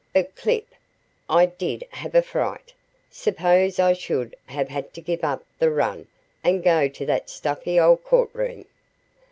"But, Clip, I did have a fright. Suppose I should have had to give up the run, and go to that stuffy old courtroom!"